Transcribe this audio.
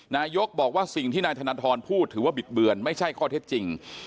นายกบอกว่าสิ่งที่นายธนทรพูดถือว่าบิดเบือนไม่ใช่ข้อเท็จจริง